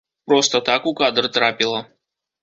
Проста так у кадр трапіла.